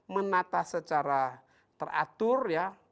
menata secara teratur